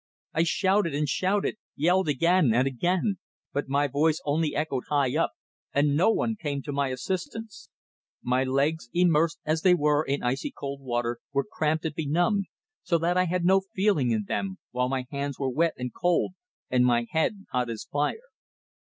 I shouted and shouted, yelled again and again. But my voice only echoed high up, and no one came to my assistance. My legs, immersed as they were in icy cold water, were cramped and benumbed, so that I had no feeling in them, while my hands were wet and cold, and my head hot as fire.